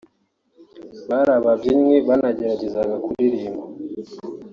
Bari ababyinnyi banageragezaga kuririmba